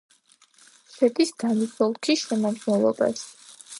შედის დანის ოლქის შემადგენლობაში.